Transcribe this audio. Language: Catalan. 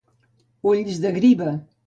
Ulls de griva.